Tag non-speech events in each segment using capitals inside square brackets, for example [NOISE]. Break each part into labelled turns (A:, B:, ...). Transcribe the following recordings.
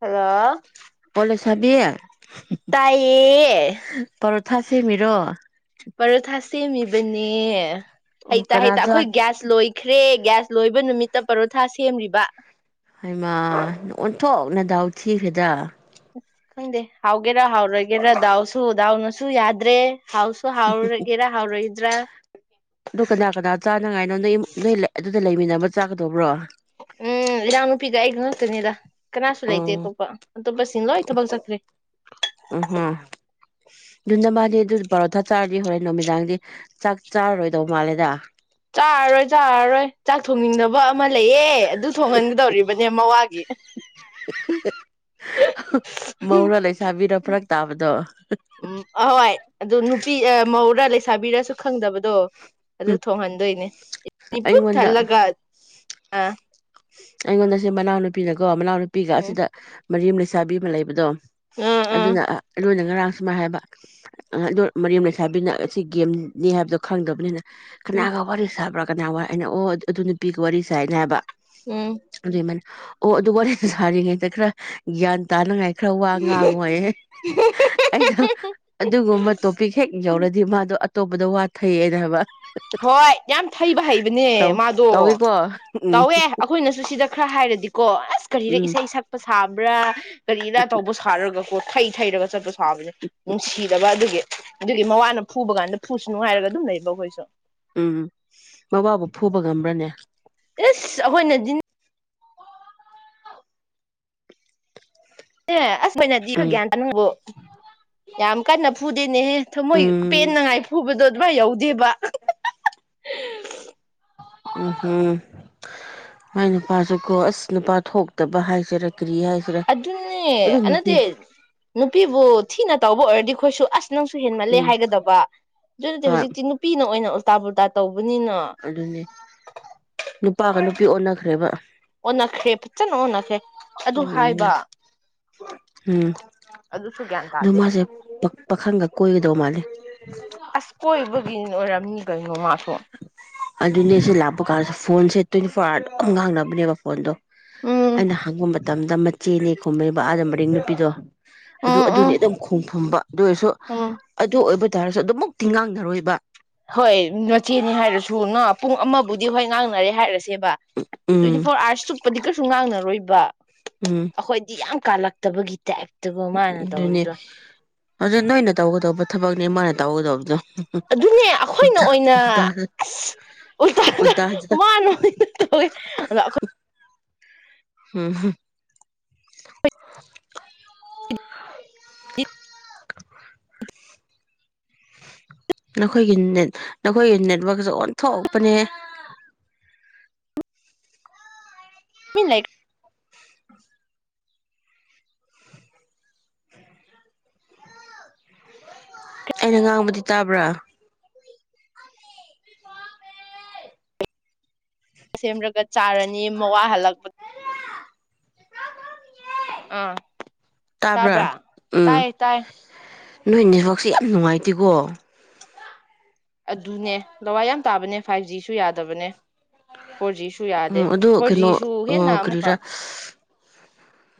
A: hello
B: ꯑꯣ ꯂꯩꯁꯥꯕꯤ
A: ꯇꯥꯏꯌꯦ
B: [UNINTELLIGIBLE] ꯄꯔꯣꯊꯥ ꯁꯦꯝꯃꯤꯔꯣ
A: ꯄꯔꯊꯥ ꯁꯦꯝꯃꯤꯕꯅꯦ
B: ꯑꯣ
A: ꯍꯩꯇꯥ
B: ꯀꯅꯥ
A: ꯍꯩꯇꯥ
B: ꯆꯥ
A: ꯑꯩꯈꯣꯏ ꯒ꯭ꯌꯥꯥ ꯂꯣꯏꯈ꯭ꯔꯦ ꯊ꯭ꯔꯦ ꯒ꯭ꯌꯥꯁ ꯂꯣꯏꯕ ꯅꯨꯃꯤꯠꯇ ꯄꯔꯣꯊꯥ ꯁꯦꯝꯔꯤꯕ
B: ꯍꯩꯃꯥ ꯑꯣꯟꯊꯣꯛꯅ ꯗꯥꯎ ꯊꯤꯈ꯭ꯔꯦꯗ
A: ꯈꯪꯗꯦ ꯍꯧꯎꯒꯦ ꯍꯥꯎꯒꯦꯔ ꯍꯥꯎꯔꯣꯏꯒꯦꯔ ꯗꯥꯎꯁꯨ ꯗꯥꯎꯅ ꯁꯨ ꯌꯥꯗ꯭ꯔꯦ ꯍꯥꯎꯁꯨ ꯍꯥꯎꯔꯒꯦꯔꯥ ꯍꯥꯎꯔꯣꯏꯗ꯭ꯔꯥ
B: ꯑꯗꯨ ꯀꯅꯥ ꯀꯅꯥ ꯆꯥꯅꯉꯥꯏꯅꯣ ꯅꯣꯏ ꯅꯣꯏ ꯑꯗꯨꯗ ꯂꯩꯃꯤꯟꯅ ꯆꯥꯒꯗꯧꯕ꯭ꯔꯣ
A: ꯎꯝ ꯏꯅꯥꯎ ꯅꯨꯄꯤꯒꯥ ꯑꯩꯒ ꯈꯛꯇꯅꯤꯗ ꯀꯅꯥꯁꯨ ꯂꯩꯇꯦ
B: ꯑꯣ
A: ꯇꯣꯄ ꯇꯣꯄꯁꯤꯅ ꯂꯣꯏ ꯊꯕꯛ ꯆꯠꯈ꯭ꯔꯦ
B: ꯎꯝꯍꯨꯝ ꯑꯗꯨ ꯅꯕꯥꯅꯤ ꯑꯗꯨ ꯄꯔꯣꯊꯥ ꯆꯥꯔꯗꯤ ꯍꯣꯔꯦꯟ ꯅꯨꯃꯤꯗꯥꯡꯗꯤ ꯆꯥꯛ ꯆꯥꯔꯔꯣꯏꯗꯧꯕ ꯃꯥꯜꯂꯦꯗ
A: ꯆꯥꯔꯔꯣꯏ ꯆꯥꯔꯔꯣꯏ ꯆꯥꯛ ꯊꯣꯡꯅꯤꯡꯗꯕ ꯑꯃ ꯑꯃ ꯂꯩꯌꯦ ꯑꯗꯨ ꯊꯣꯡꯍꯟꯒꯗꯧꯔꯤꯕꯅꯦ ꯃꯋꯥꯒꯤ
B: ꯃꯧꯔ ꯂꯩꯁꯥꯕꯤꯔ ꯐꯔꯛ ꯇꯥꯕꯗꯣ
A: ꯎꯝ ꯑꯍꯣꯏ ꯑꯗꯨ ꯅꯨꯄꯤ ꯃꯧꯔꯥ ꯂꯩꯁ ꯂꯩꯁꯥꯕꯤꯔꯁꯨ ꯈꯪꯗꯕꯗꯣ ꯑꯗꯨ
B: ꯎꯝ
A: ꯊꯣꯡꯍꯟꯗꯣꯏꯅꯦ ꯄꯨꯛ
B: ꯑꯩꯉꯣꯟꯗ
A: ꯊꯜꯂꯒ ꯑꯥ
B: ꯑꯩꯉꯣꯟꯗ ꯁꯤ ꯃꯅꯥꯎ ꯅꯨꯄꯤꯅꯀꯣ ꯃꯅꯥꯎꯄꯤ ꯅꯨꯄꯤꯒ
A: ꯎꯝ
B: ꯑꯁꯤꯗ ꯃꯔꯤ ꯂꯩꯁꯥꯕꯤ ꯑꯃ ꯂꯩꯕꯗꯣ
A: ꯑꯥ ꯑꯥ
B: ꯑꯗꯨꯅ ꯂꯣꯏꯅ ꯉꯔꯥꯡ ꯁꯨꯃꯥꯏ ꯍꯥꯏꯕ ꯑꯗꯣ ꯃꯔꯤꯝ ꯂꯩꯁꯥꯕꯤꯅ ꯑꯁꯤ ꯒꯦꯝꯅꯤ ꯍꯥꯏꯕꯗꯣ ꯈꯪꯗꯕꯅꯤꯅ
A: ꯎꯝ
B: ꯀꯅꯥꯒ ꯋꯥꯔꯤꯁꯥꯕꯔꯥ ꯀꯅꯥ ꯋꯥꯏ ꯍꯥꯏꯅ ꯑꯣ ꯑꯗꯨ ꯅꯨꯄꯤꯒ ꯋꯥꯔꯤꯁꯦ ꯍꯥꯏꯅ ꯍꯥꯏꯕ
A: ꯎꯝ
B: ꯑꯗꯨꯏ ꯃꯥꯅ ꯑꯣ ꯑꯗꯨ ꯋꯥꯔꯤ ꯁꯥꯔꯤꯉꯩꯗ ꯈꯔ ꯒ꯭ꯌꯥꯟ ꯇꯥꯅꯉꯥꯏ ꯈꯔ ꯋꯥ ꯉꯥꯡꯉꯣꯏꯌꯦ ꯑꯩꯗꯣ ꯑꯗꯨꯒꯨꯝꯕ ꯇꯣꯄꯤꯛ ꯍꯦꯛ ꯌꯧꯔꯗꯤ ꯃꯥꯗꯣ ꯑꯇꯣꯞꯄꯗ ꯋꯥꯊꯩꯌꯦꯅ ꯍꯥꯏꯕ
A: ꯍꯣꯏ ꯌꯥꯝ ꯊꯩꯕ ꯍꯩꯕꯅꯦ
B: ꯇꯧ
A: ꯃꯥꯗꯣ
B: ꯇꯧꯋꯤꯀꯣ ꯎꯝ
A: ꯇꯧꯋꯦ ꯑꯩꯈꯣꯏꯅꯁꯨ ꯁꯤꯗ ꯈ꯭ꯔ ꯍꯥꯏꯔꯗꯤ ꯀꯣ ꯑꯁ ꯀꯔꯤꯔꯥ
B: ꯎꯝ
A: ꯏꯁꯩ ꯁꯛꯄ ꯁꯥꯕ꯭ꯔꯥ ꯀꯔꯤꯗ ꯇꯧꯕ ꯁꯥꯔꯒꯀꯣ ꯊꯩ ꯊꯩꯔꯕ ꯆꯠꯄꯥꯁꯨ ꯐꯥꯕꯅꯤ ꯅꯨꯡꯁꯤꯗꯕ ꯑꯗꯨꯒꯤ ꯑꯗꯨꯒꯤ ꯃꯋꯥꯅ ꯐꯨꯕ ꯀꯥꯟꯗ ꯐꯨꯁꯨ ꯅꯨꯡꯉꯥꯏꯔꯒ ꯑꯗꯨꯝ ꯂꯩꯕ ꯑꯩꯈꯣꯏꯁꯨ
B: ꯎꯝ ꯃꯥꯋꯥꯕꯨ ꯐꯨꯕ ꯉꯝꯕ꯭ꯔꯅꯦ
A: ꯑꯩꯈꯣꯏꯅꯗꯤꯖꯤ ꯑꯦ ꯑꯁ ꯃꯣꯏꯅꯥꯗꯤ ꯈꯔꯥ
B: ꯎꯝ
A: ꯒ꯭ꯌꯥꯟ ꯇꯥꯅꯤꯡꯕꯣ [INAUDIBLE] ꯌꯥꯝ ꯀꯟꯅ ꯐꯨꯗꯦꯅꯦꯍꯦ ꯊꯃꯣꯏ
B: ꯎꯝ
A: ꯄꯦꯟꯅꯉꯥꯏ ꯐꯨꯕꯗꯣ ꯑꯗꯨꯃꯥꯏ ꯌꯧꯗꯦꯕ
B: ꯎꯝꯍꯝ ꯃꯥꯏ ꯅꯨꯄꯥꯁꯨꯀꯣ ꯑꯁ ꯅꯨꯄꯥ ꯊꯣꯛꯇꯕ ꯍꯥꯏꯖꯔꯛ
A: ꯑꯗꯨꯅꯦ ꯅꯠꯇꯦ ꯅꯨꯄꯤꯕꯨ ꯊꯤꯅꯥ ꯇꯧꯕ ꯑꯣꯏꯔꯗꯤꯈꯣꯏꯁꯨ ꯑꯁ ꯅꯪꯁꯨ ꯍꯦꯟꯃꯠꯂꯦ
B: ꯎꯝ
A: ꯍꯥꯏꯒꯗꯕ ꯑꯗꯨꯗꯤ
B: ꯍꯣꯏ
A: ꯍꯧꯖꯤꯛꯇꯤ ꯅꯨꯄꯤꯅ ꯑꯣꯏꯅ ꯑꯣꯟ ꯇꯥꯕꯨ ꯇꯥ ꯇꯧ
B: ꯑꯗꯨꯅꯦ ꯅꯨꯄꯥꯒ ꯅꯨꯄꯤ ꯑꯣꯟꯅꯈ꯭ꯔꯦꯕ
A: ꯑꯣꯟꯅꯈ꯭ꯔꯦ ꯐꯖꯅ ꯑꯣꯟꯅꯈ꯭ꯔꯦ ꯑꯗꯨ ꯍꯥꯏꯕ
B: ꯎꯝ ꯎꯝ
A: ꯑꯗꯨꯁꯨ ꯒ꯭ꯌꯥꯟ
B: ꯑꯗꯣ
A: ꯇꯥꯗꯦ
B: ꯃꯥꯁꯦ ꯄꯥꯈꯪꯒ ꯀꯣꯏꯒꯗꯧ ꯃꯥꯜꯂꯦ
A: ꯑꯁ ꯀꯣꯏꯕꯒꯤ ꯑꯣꯏꯔꯝꯃꯤ ꯀꯩꯅꯣ ꯃꯥ
B: ꯑꯗꯨꯅꯦꯁꯨ ꯂꯥꯞꯄꯥ ꯀꯥ ꯐꯣꯟꯁꯦ ꯇ꯭ꯋꯦꯟꯇꯤ ꯐꯣꯔ ꯑꯋꯥꯔꯗ ꯗꯨꯃ ꯉꯥꯡꯅꯕꯅꯦꯕ ꯐꯣꯟꯗꯣ
A: ꯎꯝ
B: ꯑꯩꯅ ꯍꯪꯕ ꯃꯇꯝꯗ ꯃꯆꯦꯅꯦ ꯈꯨꯝꯃꯦꯕ ꯑꯥꯗ ꯃꯔꯤꯡ ꯅꯨꯄꯤꯗꯣ ꯑꯗꯨ
A: ꯎꯝ
B: ꯑꯗꯨꯅꯤ
A: ꯎꯝ
B: ꯑꯗꯨꯝ ꯈꯣꯡꯐꯝꯕ ꯑꯗꯨ ꯑꯣꯏꯔꯁꯨ
A: ꯎꯝ
B: ꯑꯗꯨ ꯑꯣꯏꯕ ꯇꯥꯔꯁꯨ ꯑꯗꯨꯃꯛ ꯇꯤꯡꯉꯥꯡꯅꯔꯣꯏꯕ
A: ꯍꯣꯏ ꯃꯆꯦꯅꯤ ꯍꯥꯏꯔꯁꯨ ꯅ ꯄꯨꯡ ꯑꯃꯕꯨꯗꯤ ꯍꯣꯏ ꯉꯥꯡꯅꯔꯦ ꯍꯥꯏꯔꯦ ꯇꯦꯕ ꯇ꯭ꯋꯦꯟꯇꯤ
B: ꯎꯝ
A: ꯐꯣꯔ ꯑꯥꯋꯥꯔꯁ ꯆꯨꯞꯄꯗꯤ ꯀꯩꯁꯨ ꯉꯥꯡꯅ ꯑꯔꯣꯏꯕ
B: ꯎꯝ
A: ꯑꯩꯈꯣꯏꯗꯤ ꯌꯥꯝ ꯀꯥꯜꯂꯛꯇꯕꯒꯤ ꯇꯥꯏꯞ
B: ꯎꯝ ꯑꯗꯨꯅꯦ ꯑꯗꯨ ꯅꯣꯏꯅ ꯇꯧꯒꯗꯧꯕ ꯊꯕꯛꯅꯦ ꯃꯥꯅ ꯇꯧꯒꯗꯕꯗꯣ
A: ꯑꯗꯨꯅꯦ ꯑꯩꯈꯣꯏꯅ ꯑꯣꯏꯅ ꯑꯁ ꯎꯗ
B: ꯎꯜꯇꯥꯗ
A: ꯃꯥꯅ ꯑꯣꯏꯅ ꯇꯧꯋꯦ ꯑ
B: ꯍꯝ [UNINTELLIGIBLE] ꯅꯈꯣꯏꯒꯤ ꯅꯠ ꯅꯈꯣꯏꯒꯤ ꯅꯦꯠꯋꯔꯥꯛꯛꯁꯦ ꯑꯣꯟꯊꯣꯛꯄꯅꯦ
A: ꯂꯩꯥꯏꯛ
B: ꯑꯩꯅ ꯉꯥꯡꯕꯗꯤ ꯇꯥꯕ꯭ꯔꯥ
A: ꯁꯦꯝꯔꯒ ꯆꯥꯔꯅꯤ ꯃꯋꯥ ꯍꯜꯂꯛꯄꯗ ꯑꯥ ꯇꯥꯕ꯭ꯔ
B: ꯇꯥꯕ꯭ꯔꯥ ꯎꯝ
A: ꯇꯥꯏ ꯇꯥꯏ
B: ꯅꯣꯏ ꯅꯦꯠꯋꯥꯛꯁꯦ ꯌꯥꯝ ꯅꯨꯡꯉꯥꯏꯇꯦꯀꯣ
A: ꯑꯗꯨꯅꯦ ꯂꯋꯥꯏ ꯌꯥꯝ ꯇꯥꯕꯅꯦ ꯐꯥꯏꯚ ꯖꯤꯁꯨ ꯌꯥꯗꯕꯅꯦ ꯐꯣꯔ ꯖꯤꯁꯨ ꯌꯥꯗꯦ
B: ꯎꯝ ꯑꯗꯨ
A: ꯐꯣꯔ
B: ꯀꯩꯅꯣ
A: ꯖꯤꯁꯨ
B: ꯑ
A: ꯍꯦꯟꯅ
B: ꯀꯔꯤꯔꯥ
A: ꯑꯃꯨꯛꯀ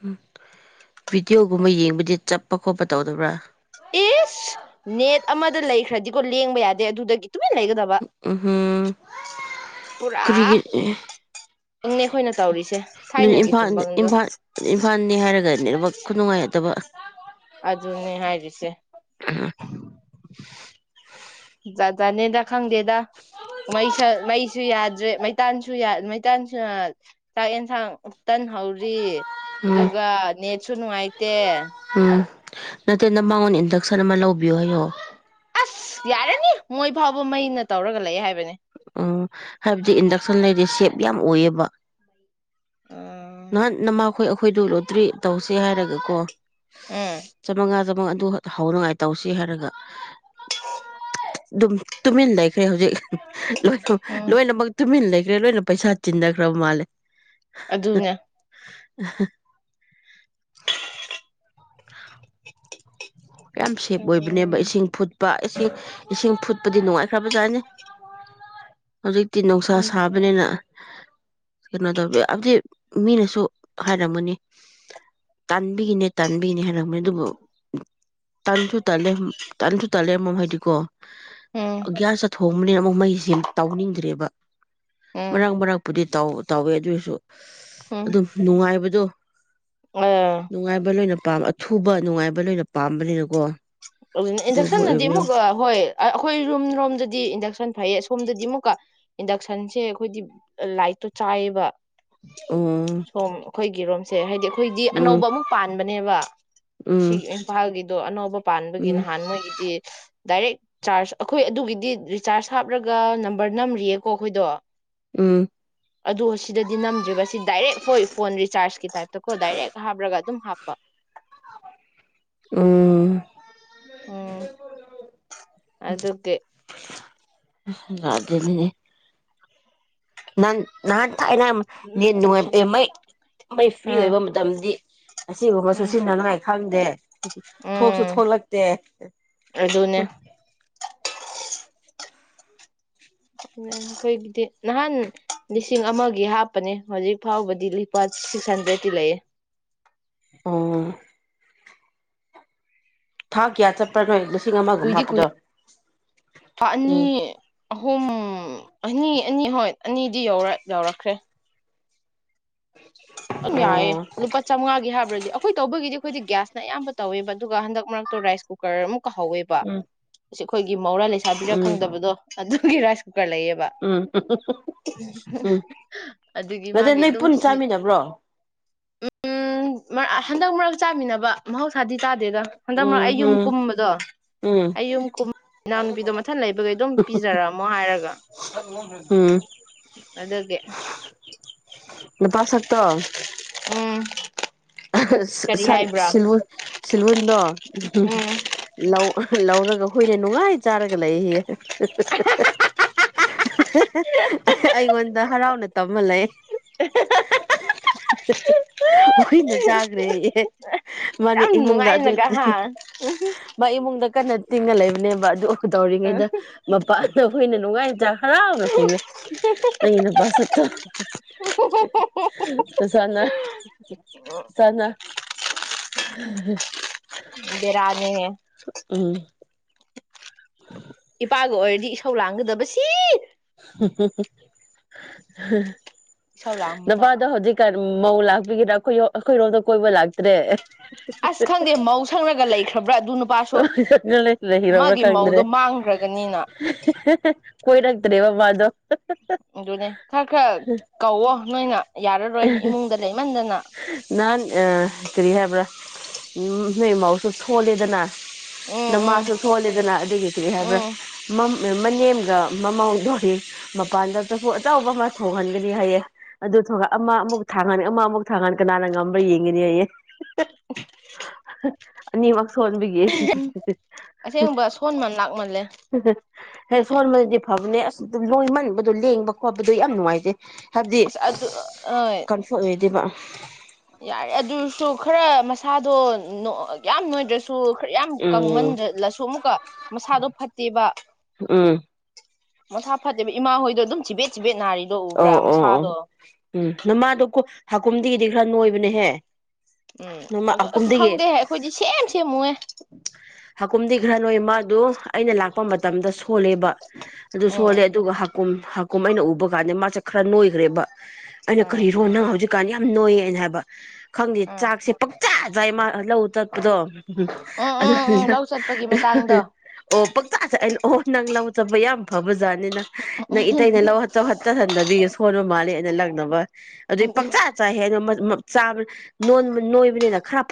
B: ꯎꯝ ꯚꯤꯗꯤꯑꯣꯒꯨꯝꯕ ꯌꯦꯡꯕꯗꯤ ꯆꯠꯄ ꯈꯣꯠꯄ ꯇꯧꯗꯕ꯭ꯔꯥ
A: ꯏꯁ ꯅꯦꯠ ꯑꯃꯗ ꯂꯩꯈ꯭ꯔꯗꯤꯀꯣ ꯂꯦꯡꯕ ꯌꯥꯗꯦ ꯑꯗꯨꯗꯒꯤ ꯇꯨꯃꯤꯟ ꯂꯩꯒꯗꯕ
B: ꯎꯝꯝ
A: ꯄꯨꯔꯥ
B: ꯀꯔꯤꯒꯤ
A: ꯕꯪꯅꯦ ꯑꯩꯈꯣꯏꯅ ꯇꯧꯔꯤꯁꯦ
B: ꯑꯗꯨ
A: ꯊꯥꯏꯅꯒꯤ
B: ꯏꯝꯐꯥꯜ
A: ꯆꯨꯝꯕꯪꯗꯣ
B: ꯏꯝꯐꯜ ꯏꯝꯐꯥꯜꯅꯤ ꯍꯥꯏꯔꯒꯅꯦ ꯊꯕ ꯈꯨ ꯅꯨꯡꯉꯥꯏꯇꯕ
A: ꯑꯗꯨꯅꯦ ꯍꯥꯏꯔꯤꯁꯦ ꯆꯠ ꯆꯥꯅꯦꯗ ꯈꯪꯗꯦꯗꯩ ꯃꯩꯁꯨ ꯌꯥꯗ꯭ꯔꯦ ꯃꯩꯇꯥꯟꯁꯨ ꯃꯩꯇꯥꯟꯁꯨ ꯆꯥꯛ ꯌꯦꯟꯁꯥꯡ ꯇꯟꯍꯧꯔꯤ
B: ꯎꯝ
A: ꯑꯗꯨꯒ ꯅ ꯁꯨꯅꯨꯡꯥꯏ ꯇꯦ
B: ꯅꯠꯇꯦꯗ ꯃꯉꯣꯟ ꯏꯟꯗꯛꯁꯟ ꯑꯃ ꯂꯧꯕꯤꯌꯣ ꯍꯥꯏꯡ
A: ꯑꯁ ꯌꯥꯔꯅꯤ ꯃꯣꯏ ꯐꯥꯎꯕ ꯃꯩꯅ ꯇꯧꯔꯒ ꯂꯩꯑꯦ ꯍꯥꯏꯕꯅꯤ
B: ꯎ ꯍꯥꯏꯕꯗꯤ ꯏꯟꯗꯛꯁꯟ ꯂꯩꯔꯤ ꯁꯦꯞ ꯌꯥꯝ ꯑꯣꯏꯌꯦꯕ ꯅ
A: ꯎꯝ
B: ꯅꯃ ꯑꯩꯈꯣꯏ ꯑꯩꯈꯣꯏꯗ ꯂꯣꯇ꯭ꯔꯤ ꯇꯧꯁꯦ ꯍꯥꯏꯔꯒ ꯀꯣ
A: ꯎꯝ
B: ꯆꯃꯒꯗ ꯑꯗꯨ ꯍꯧꯅꯉꯥꯏ ꯇꯧꯁꯤ ꯍꯥꯏꯔꯒ ꯑꯗꯨꯝ ꯇꯨꯃꯤꯟ ꯂꯩꯈ꯭ꯔꯦ ꯍꯧꯖꯤꯛ ꯂꯣꯏ
A: ꯎꯝ
B: ꯂꯣꯏꯅꯃꯛ ꯇꯨꯃꯤꯟꯅ ꯂꯩ ꯀꯦ ꯂꯣꯏꯅ ꯄꯩꯁꯥ ꯆꯤꯟꯊꯈ꯭ꯔꯕ ꯃꯥꯜꯂꯦ
A: ꯑꯗꯨꯅꯦ
B: ꯎ ꯌꯥꯝ ꯁꯦꯞ ꯑꯣꯏꯕꯅꯦꯕ
A: ꯎꯝ
B: ꯏꯁꯤꯡ ꯐꯨꯠ ꯏꯁꯤꯡ ꯏꯁꯤꯡ ꯐꯨꯠꯄꯗꯤ ꯅꯨꯡꯉꯥꯏꯈ꯭ꯔꯕꯖꯥꯅꯤ ꯍꯧꯖꯤꯛꯇꯤ ꯅꯨꯡꯁꯥ
A: ꯎꯝ
B: ꯁꯥꯕꯅꯤꯅ ꯀꯩꯅꯣ ꯇꯧꯕꯤ ꯍꯥꯏꯕꯗꯤ ꯃꯤꯅꯁꯨ ꯍꯥꯏꯔꯝꯒꯅꯤ ꯇꯥꯟꯕꯤꯒꯤꯅꯦ ꯇꯥꯟꯕꯤꯅꯤ ꯍꯥꯏꯔꯝꯅꯤ ꯃꯗꯨꯕꯨ ꯇꯥꯟꯁꯨ ꯇꯥꯂꯦ ꯇꯥꯟꯁꯨ ꯇꯥꯂꯦ ꯑꯃꯃꯝ ꯍꯥꯏꯗꯤꯀꯣ
A: ꯎꯝ
B: ꯑꯒꯔꯁ ꯊ ꯍꯣꯡꯕꯅꯤꯅ ꯑꯃꯨꯛ ꯃꯩꯁ ꯌꯥꯝ ꯇꯥꯎꯅꯤꯡꯗ꯭ꯔꯦꯕ
A: ꯎꯝ
B: ꯃꯔꯥꯡ ꯃꯔꯥꯡ ꯄꯨꯗꯤ ꯧ ꯇꯧꯋꯦ ꯑꯗꯨꯁꯨ
A: ꯎꯝ
B: ꯑꯗꯨꯝ ꯅꯨꯡꯉꯥꯏꯕ ꯗ
A: ꯑꯥ
B: ꯅꯨꯡꯉꯥꯏꯕ ꯂꯩ ꯅ ꯝ ꯑꯊꯨꯕ ꯅꯨꯡꯉꯥꯏꯕ ꯂꯣꯏꯅ ꯄꯥꯝꯕꯅꯤꯅꯀꯣ
A: ꯑꯗꯨꯅ
B: ꯑꯗꯨꯕꯨ
A: ꯏꯟꯗꯛꯁꯟꯅꯗꯤ
B: ꯑꯣꯏꯕꯅꯦ
A: ꯑꯃꯨꯛ ꯍꯣꯏ ꯑꯩꯈꯣꯏ ꯔꯨꯝ ꯔꯣꯝꯗꯗꯤ ꯏꯟꯗꯛꯁꯟ ꯐꯩꯌꯦ ꯁꯣꯝꯗꯗꯤ ꯑꯃꯨꯛꯀ ꯏꯟꯗꯛꯁꯟꯁꯦ ꯑꯩꯈꯣꯏꯗꯤ ꯂꯥꯏꯠꯇꯣ ꯆꯥꯏꯑꯕ
B: ꯑꯣ
A: ꯁꯣꯝ ꯑꯩꯈꯣꯏꯒꯤ ꯔꯣꯝꯁꯦ ꯍꯥꯏꯗꯤ ꯑꯩꯈꯣꯏꯗꯤ
B: ꯎꯝ
A: ꯑꯅꯧꯕ ꯑꯃꯨꯛ ꯄꯥꯟꯕꯅꯦꯕ
B: ꯎꯝ
A: ꯁꯤ ꯏꯝꯐꯥꯜꯒꯤ ꯑꯅꯧꯕ ꯄꯥꯟꯕꯒꯤ
B: ꯎꯝ
A: ꯅꯍꯥꯟ ꯃꯣꯏꯒꯤꯗꯤ ꯗꯥꯏꯔꯦꯛ ꯆꯥꯔꯖ ꯑꯩꯈꯣꯏ ꯑꯗꯨꯒꯤꯗꯤ ꯔꯤꯆꯥꯔꯖ ꯍꯥꯞꯂꯒ ꯅꯝꯕꯔ ꯅꯝꯔꯤꯌꯦꯀꯣ ꯑꯩꯈꯣꯏꯗꯣ
B: ꯎꯝ
A: ꯑꯗꯨ ꯁꯤꯗꯗꯤ ꯅꯝꯗ꯭ꯔꯤꯕꯁꯤ ꯗꯥꯏꯔꯦꯛ ꯍꯣꯏ ꯐꯣꯟ ꯔꯤꯆꯥꯔꯖꯀꯤ ꯇꯥꯏꯞꯇꯀꯣ ꯗꯥꯏꯔꯦꯛ ꯍꯥꯞ꯭ꯔꯒ ꯑꯗꯨꯝ ꯍꯥꯞꯄ
B: ꯎꯝ
A: ꯎꯝ ꯑꯗꯀꯦ
B: ꯔꯅꯤ ꯅꯪ ꯊꯥꯏꯅ ꯅꯦꯟ
A: ꯀꯣꯏꯁꯟ
B: ꯅꯨꯡꯉꯥꯏꯕ
A: ꯃꯥꯛ
B: ꯃꯩ ꯃꯩ ꯐ꯭ꯔꯤ
A: ꯎꯝ
B: ꯑꯣꯏꯕ ꯃꯇꯝꯗꯤ ꯑꯁꯤꯕ
A: ꯎꯝ
B: ꯃꯁꯨꯁꯤꯅꯉꯥꯏ ꯈꯪꯗꯦ ꯊꯣꯛꯁꯨ
A: ꯎꯝ
B: ꯊꯣꯛꯂꯛꯇꯦ
A: ꯑꯗꯨꯅꯦ ꯑꯩꯈꯣꯏꯒꯤꯗꯤ ꯅꯍꯥꯟ ꯂꯤꯁꯤꯡ ꯑꯃꯒꯤ ꯍꯥꯞꯄꯅꯦ ꯍꯧꯖꯤꯛ ꯐꯥꯎꯕꯗꯤ ꯂꯨꯄꯥ ꯁꯤꯛꯁ ꯍꯟꯗ꯭ꯔꯦꯠꯇꯤ ꯂꯩꯌꯦ
B: ꯑꯣ ꯊꯀꯤꯌꯥ ꯆꯄꯒ
A: ꯀꯨꯏꯗꯤ ꯀꯨꯏ ꯑꯅꯤ
B: ꯎꯝ
A: ꯑꯍꯨꯝ ꯑꯅꯤ ꯑꯅꯤ ꯍꯣꯏ ꯑꯅꯤꯗꯤ ꯌꯧꯔ ꯌꯧꯔꯛꯈ꯭ꯔꯦ ꯑꯗꯨ ꯌꯥꯏꯑꯦ
B: ꯑꯣ
A: ꯂꯨꯄꯥ ꯆꯥꯃꯉꯥꯒꯤ ꯍꯥꯏꯕ꯭ꯔꯗꯤ ꯑꯩꯈꯣꯏ ꯇꯧꯕꯒꯤꯗꯤ ꯑꯩꯈꯣꯏꯗꯤ ꯒ꯭ꯌꯥꯁꯅ ꯑꯌꯥꯝꯕ ꯇꯧꯋꯦꯕ ꯑꯗꯨꯒ ꯍꯟꯗꯛ ꯃꯔꯛꯇꯣ ꯔꯥꯏꯁ ꯀꯨꯀꯔ ꯑꯃꯨꯛ ꯀ ꯍꯧꯋꯦꯕ
B: ꯎꯝ
A: ꯒꯤ ꯃꯧꯔꯥ ꯂꯩꯁꯥꯕꯤꯔ
B: ꯎꯝ
A: ꯈꯪꯗꯕꯗꯣ ꯑꯗꯨ ꯑꯩꯈꯣꯏ ꯔꯥꯏꯁ ꯂꯩꯌꯦꯕ
B: ꯎꯝ ꯎꯝ ꯎꯝ
A: ꯑꯗꯨꯒꯤ
B: ꯑꯗ
A: ꯃꯥꯒꯤ
B: ꯅꯣꯏ
A: ꯑꯗꯨꯝ
B: ꯄꯨꯟ
A: ꯁꯤ
B: ꯆꯥꯃꯤꯟꯅꯕ꯭ꯔꯣ
A: ꯎꯝ ꯍꯟꯗꯛ ꯃꯔꯛ ꯆꯥꯃꯤꯟꯅꯕ ꯃꯍꯧꯥ ꯊꯥꯗꯤ ꯇꯥꯗꯦꯗ ꯍꯟꯗꯛꯃꯛꯔꯀꯛ
B: ꯎꯝ
A: ꯑꯩ ꯌꯨꯝ
B: ꯎꯝ
A: ꯀꯨꯝꯕꯗꯣ
B: ꯎꯝ
A: ꯑꯩ ꯌꯨꯝ ꯀꯨꯝꯕ ꯏꯅꯥꯎꯅꯨꯄꯤꯗꯣ ꯃꯊꯟ ꯂꯩꯕꯈꯩ ꯑꯗꯨꯝ ꯄꯤꯖꯔꯛꯑꯝꯃꯣ ꯍꯥꯏꯔꯒ
B: ꯎꯝ
A: ꯑꯗꯨꯒꯤ
B: ꯅꯨꯄꯥꯁꯛꯇꯣ
A: ꯎꯝ ꯀꯔꯤ
B: ꯁꯟ
A: ꯍꯥꯏꯕ꯭ꯔꯥ
B: ꯁꯤꯜ ꯂꯨꯟ ꯁꯤꯜ ꯂꯨꯟꯗꯣ
A: ꯎꯝ
B: ꯂꯧ ꯂꯧꯔꯒ ꯍꯣꯏꯅ ꯅꯨꯡꯉꯥꯏ ꯆꯥꯔꯒ ꯂꯩꯍ ꯑꯩꯉꯣꯟꯗ ꯍꯔꯥꯎꯅ ꯇꯝꯃ ꯂꯩꯅ ꯆꯥꯒꯔ꯭ꯦꯌꯦ ꯃꯥꯅꯦ
A: ꯌꯥꯝ
B: ꯏꯃꯨꯡꯗ ꯑꯗꯨ
A: ꯅꯨꯡꯉꯥꯏꯅꯒ ꯍꯥ
B: ꯃꯥ ꯏꯃꯨꯡꯗ ꯀꯟꯅ ꯇꯤꯡꯉꯥ ꯂꯩꯕꯅꯦꯕ ꯑꯗꯨ ꯇꯧꯔꯤꯉꯩꯗ ꯃꯄꯥꯥꯟ ꯅ ꯍꯨꯏꯅ ꯅꯨꯡꯉꯥꯏꯖ꯭ꯔꯥ ꯍꯔꯥꯎꯅ ꯈꯨꯝꯃꯦ ꯅꯪꯒꯤ
A: [UNINTELLIGIBLE]
B: [INAUDIBLE]
A: ꯑꯣ ꯍꯣ ꯍꯣ
B: ꯑꯗꯨꯁꯅ ꯆꯅ
A: ꯕꯦꯔꯥꯅꯤꯍꯦ
B: ꯎꯝ ꯎ
A: ꯅꯨꯄꯥꯒ ꯑꯣꯏꯔꯗꯤ ꯏꯁꯧ ꯂꯥꯡꯒꯗꯕ ꯁꯤ
B: [UNINTELLIGIBLE]
A: ꯏꯁꯧ ꯂꯥꯡꯕ ꯃꯊꯛ
B: ꯅꯄꯥꯗꯣ ꯍꯧꯖꯤꯛ ꯀꯔꯤ ꯃꯧ ꯂꯥꯛꯄꯤꯒꯗ꯭ꯔꯥ ꯑꯩꯈꯣꯏ ꯑꯩꯈꯣꯏꯔꯣꯝꯗ ꯀꯣꯏꯕ ꯂꯥꯛꯇ꯭ꯔꯦ
A: ꯑꯁ ꯈꯪꯗꯦ ꯃꯧ ꯁꯪꯉꯒ ꯂꯩꯈ꯭ꯔꯕ꯭ꯔꯥ ꯑꯗꯨ ꯅꯨꯄꯥꯁꯨ
B: ꯂꯩꯔꯕ꯭ꯔꯥ
A: ꯃꯥꯒꯤ
B: ꯈꯪꯗ꯭ꯔꯦ
A: ꯃꯧꯗꯣ ꯃꯥꯡꯈ꯭ꯔꯒꯅꯤꯅ
B: ꯀꯣꯏꯅ ꯇꯔꯦꯋꯥ ꯋꯥꯗ
A: ꯑꯗꯨꯅꯦ ꯈꯔ ꯈꯔ ꯀꯧꯋꯣ ꯅꯣꯏꯅ ꯌꯥꯔꯔꯣꯏ ꯏꯃꯨꯡꯗ ꯂꯩꯃꯟꯗꯅ
B: ꯅꯥꯟ ꯑ ꯀꯤꯔꯤ ꯍꯥꯏꯕ꯭ꯔꯥ ꯅꯣꯏ ꯃꯍꯧꯁꯨ ꯁꯣꯜꯂꯤꯗꯅ
A: ꯎꯝ ꯎꯝ
B: ꯅꯃꯥꯖꯁꯨ ꯁꯣꯂꯦꯗꯅ ꯑꯗꯨꯒꯤ ꯀꯔꯤ ꯍꯥꯏꯕ꯭ꯔꯥ
A: ꯎꯝ
B: ꯃꯅꯦꯝꯒ ꯃꯃꯥꯎꯗꯣꯔꯤ ꯃꯄꯥꯟꯗ ꯆꯐꯨ ꯑꯆꯧꯕ ꯑꯃ ꯊꯣꯡꯍꯟꯒꯅꯤ ꯍꯥꯏꯌꯦ ꯑꯗꯨ ꯑꯃ ꯑꯃꯨꯛ ꯊꯥꯡꯒꯅꯤ ꯑꯃꯨꯛ ꯊꯥꯡꯒꯅꯤ ꯀꯅꯥꯅ ꯉꯝꯕ꯭ꯔꯥ ꯌꯦꯡꯒꯅꯤ ꯑꯩꯌꯦ [INAUDIBLE] ꯅꯤꯕ ꯁꯣꯟꯣꯟꯕꯤꯒꯤ
A: ꯑꯁꯦꯡꯕ ꯁꯣꯟꯃꯟ ꯂꯥꯛꯃꯜꯂꯦ
B: ꯍꯦ ꯁꯣꯣꯟꯕꯦ ꯐꯕꯅꯦ ꯂꯣꯏꯃꯟꯕꯗꯣ ꯂꯦꯡꯕ ꯈꯣꯠꯄꯗꯣ ꯌꯥꯝ ꯅꯨꯡꯉꯥꯏꯖꯩ
A: ꯁ ꯑꯗꯨ ꯑꯗꯨ
B: ꯀꯟꯐ ꯑꯣꯏꯗꯤꯕ
A: ꯌꯥꯔꯦ ꯑꯗꯨꯁꯨ ꯈꯔ ꯃꯁꯥꯗꯣ ꯌꯥꯝ ꯅꯣꯏꯗ꯭ꯔꯁꯨ ꯁꯨ ꯈꯔ ꯌꯥꯝ
B: ꯎꯝ
A: ꯀꯪꯃꯟꯗꯂꯁꯨ ꯑꯃꯨꯛꯀ ꯃꯁꯥꯗꯣ ꯐꯠꯇꯦꯕ
B: ꯎꯝ
A: ꯃꯁꯥ ꯐꯠꯇꯦꯕ ꯏꯃꯥꯍꯣꯏꯗꯣ ꯑꯗꯨꯝ ꯆꯤꯕꯦꯠ ꯆꯤꯦ ꯅꯥꯔꯤꯅꯤ
B: ꯑꯣ ꯑꯣ ꯑꯣ ꯎꯝ ꯅꯃ ꯑꯗꯨ ꯍꯥꯀꯨꯝꯗꯤꯒꯤꯗꯤ ꯈꯔ ꯅꯣꯏꯕꯅꯦꯍꯦ
A: ꯎꯝ
B: ꯅꯣꯡꯃ
A: ꯑꯗꯣ ꯑꯁ
B: ꯍꯀꯨꯝꯗꯤ
A: ꯈꯪꯗꯦ ꯑꯩꯈꯣꯏꯗꯤ ꯁꯦꯝ ꯁꯦꯝꯃꯨꯍꯦ
B: ꯍꯥꯀꯨꯝꯗꯤ ꯈꯔ ꯅꯣꯏ ꯃꯥ ꯑꯗꯨ ꯑꯩꯅ ꯂꯥꯛꯄ ꯃꯇꯝꯗ ꯁꯣꯜꯂꯦꯕ ꯑꯗꯨ
A: ꯎꯝ
B: ꯁꯣꯜꯂꯦ ꯑꯗꯨꯒ ꯍꯥꯀꯨꯝ ꯑꯩꯅ ꯎꯕ ꯀꯥꯟ ꯃꯥꯁꯦ ꯈꯔ ꯅꯣꯏꯈ꯭ꯔꯦꯕ ꯑꯩꯅ
A: ꯎꯝ
B: ꯀꯔꯤ ꯔꯣꯅꯥ ꯍꯧꯖꯤꯀꯥꯟ ꯅꯣꯏꯌꯦꯅ ꯍꯥꯏꯕ ꯈꯪꯗꯦ
A: ꯎꯝ
B: ꯆꯥꯛꯁꯦ ꯄꯛ ꯥꯏꯃꯂ ꯎꯊꯗꯣ ꯎꯝ
A: ꯎꯝ ꯎꯝ ꯎꯝ
B: ꯑꯗꯨꯅ
A: ꯂꯧ ꯆꯠꯄꯒꯤ ꯃꯇꯥꯡꯗꯣ
B: ꯑꯣ ꯄꯛꯆꯥꯁꯦ ꯑꯩꯅ ꯑꯣ ꯅꯪ ꯂꯥꯎ ꯆꯠꯄ ꯌꯥꯝ ꯐꯕꯖꯥꯠꯦ ꯅꯪ ꯏꯇꯩꯅ ꯂ ꯁꯟꯗꯕꯤꯒ ꯁꯣꯟꯕ ꯃꯥꯜꯂꯦ ꯑꯩꯅ ꯂꯪꯅꯕ ꯑꯗꯨ
A: ꯎꯝ
B: ꯄꯪꯆꯥ ꯆꯆꯥ ꯍꯦ ꯆꯥꯕ ꯅꯣꯏꯕꯅꯤꯅ ꯈꯔ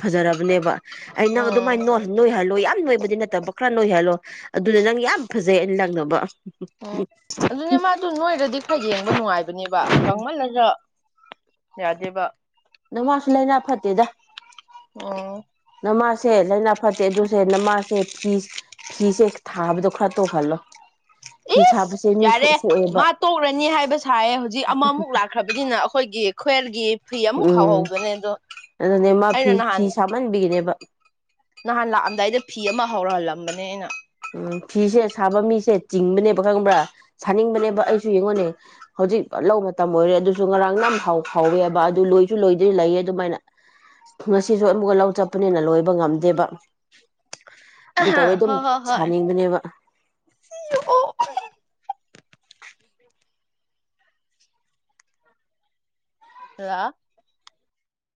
B: ꯐꯖꯔꯕꯅꯦꯕ ꯑꯩ ꯅꯪ ꯑꯗꯨꯃꯥꯏꯅ ꯅꯣꯏꯍꯜꯂꯣꯏ ꯌꯥꯝ ꯅꯣꯏꯕ ꯗꯤ ꯅꯠꯇꯕ ꯈꯔ ꯅꯣꯏ ꯍꯥꯏꯂꯣ ꯑꯗꯨꯅ ꯅꯪ ꯌꯥꯝ ꯐꯖꯩ ꯑꯩꯅ ꯅꯪꯅꯕ
A: ꯑꯣ ꯑꯗꯨꯅ ꯃꯥ ꯑꯗꯨ ꯅꯣꯏꯗ꯭ꯔꯗꯤ ꯈꯔ ꯌꯦꯡꯕ ꯅꯨꯡꯉꯥꯏꯕꯅꯦꯕ ꯀꯪꯃꯜꯂꯖꯣ ꯌꯥꯗꯦꯕ
B: ꯅꯋꯥꯁꯨ ꯂꯩꯅꯥ ꯐꯠꯇꯦꯗ
A: ꯎꯝ
B: ꯅꯃꯥꯁꯦ ꯂꯩꯅꯥ ꯐꯠꯇꯦ ꯑꯗꯨꯁꯦ ꯅꯃꯥꯁ ꯁꯦ ꯐꯤꯁ ꯐꯤꯁꯦ ꯈ ꯊꯥꯕꯗꯣ ꯈꯔ ꯇꯣꯛꯍꯜꯂꯣ ꯐꯤ
A: ꯏꯁ
B: ꯁꯥꯕꯁꯦ ꯃꯤ
A: ꯌꯥꯔꯦ
B: ꯁꯣꯛꯑꯦꯕ
A: ꯃꯥ ꯇꯣꯛꯂꯅꯤ ꯍꯥꯏꯕ ꯁꯥꯏꯌꯦ ꯍꯨꯖꯤꯛ ꯑꯃꯃꯨꯛ ꯂꯥꯛꯈ꯭ꯔꯕꯅꯤꯅ ꯑꯩꯈꯣꯏꯒꯤ [UNINTELLIGIBLE]
B: ꯎꯝ
A: ꯍꯧꯍꯧꯕꯅꯦ ꯑꯗꯣ
B: ꯑꯗꯨꯅꯦ ꯃꯥ ꯐꯤ
A: ꯑꯩꯅ
B: ꯐꯤ
A: ꯅꯍꯥꯟ
B: ꯁꯥꯃꯟꯕꯒꯤꯅꯦꯕ
A: ꯅꯍꯥꯟ ꯂꯥꯛꯑꯝꯗꯥꯏꯗ ꯐꯤ ꯑꯃ ꯍꯧꯔꯍꯜꯂꯝꯕꯅꯦ ꯑꯩꯅ
B: ꯎꯝ ꯐꯤꯁꯦ ꯁꯥꯕ ꯃꯤꯁꯦ ꯆꯤꯡꯕꯅꯦꯕ ꯈꯪꯕ꯭ꯔꯥ ꯁꯥꯅꯤꯡꯕꯅꯦꯕ ꯑꯩꯁꯨ ꯌꯦꯡꯉꯣꯅꯦ ꯍꯧꯖꯤꯛ ꯂꯧ ꯃꯇꯝ ꯑꯣꯏꯔꯦ ꯑꯗꯨꯁꯨ ꯉꯔꯥꯡ ꯅꯝ ꯍꯧ ꯍꯧꯋꯦꯕ ꯑꯗꯨ ꯂꯣꯏꯁꯨ ꯂꯣꯏꯗ꯭ꯔꯤ ꯂꯩꯌꯦ ꯑꯗꯨꯃꯥꯏꯅ ꯉꯁꯤꯁꯨ ꯑꯃꯨꯛꯀ ꯂꯧ ꯆꯠꯄꯅꯤꯅ ꯂꯣꯏꯕ ꯉꯝꯗꯦꯕ ꯑꯗꯨ
A: ꯑ
B: ꯇꯧꯋꯦ ꯑꯗꯨꯝ
A: ꯍꯣꯏ ꯍꯣꯏ ꯍꯣꯏ
B: ꯁꯥꯅꯤꯡꯕꯅꯦꯕ
A: ꯑꯣ ꯍꯜꯂꯣ